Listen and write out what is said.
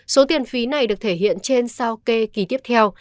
số tiền phí này được thể hiện trên sao kê kỳ tiếp theo